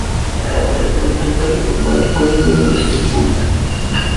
Intenta reformar el código de la salud pública.